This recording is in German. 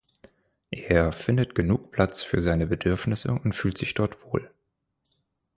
Er findet genug Platz für seine Bedürfnisse und fühlt sich dort wohl.